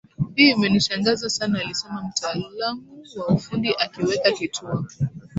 Hii imenishangaza sana alisema mtaalamu wa ufundi akiweka kituo